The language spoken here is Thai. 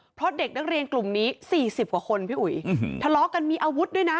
เพราะเด็กนักเรียนกลุ่มนี้สี่สิบกว่าคนพี่อุ๋ยทะเลาะกันมีอาวุธด้วยนะ